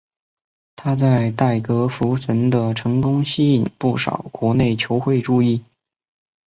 他在代格福什的成功吸引不少国内球会注意。